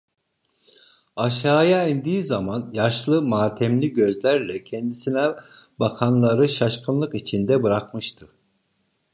Aşağıya indiği zaman, yaşlı, matemli gözlerle kendisine bakanları şaşkınlık içinde bırakmıştı.